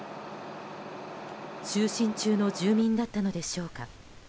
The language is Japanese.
就寝中の住民だったのでしょうか。